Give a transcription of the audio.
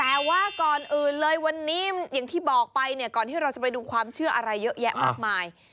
แต่ว่าก่อนอื่นเลยวันนี้อย่างที่บอกไปเนี่ยก่อนที่เราจะไปดูความเชื่ออะไรเยอะแยะมากมาย